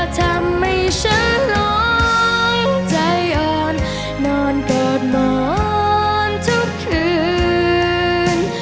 ทำให้ฉันร้องใจอ่อนนอนกอดหมอนทุกคืน